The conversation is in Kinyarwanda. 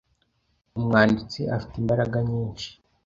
umwanditsi afite imbaraga nyinshi